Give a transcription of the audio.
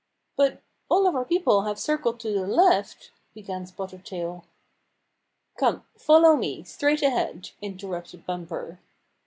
"But all of our people have circled to the left —" began Spotted Tail. "Come, follow me, straight ahead," inter rupted Bumper.